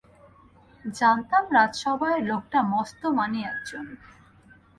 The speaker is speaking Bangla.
জানতাম রাজসভায় লোকটা মস্ত মানী একজন।